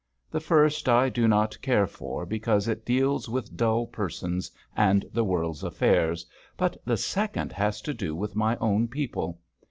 The first I do not care for because it deals with dull persons and the world's affairs, but the second has to do with my own people.